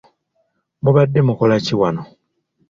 Mubadde mukola ki wano?